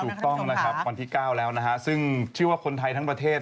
ครับท่านผู้ชมภาควันที่๙แล้วซึ่งชื่อว่าคนไทยทั้งประเทศ